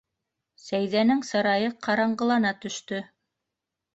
Сәйҙәнең сырайы ҡараңғылана төштө: